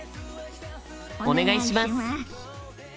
お願いします！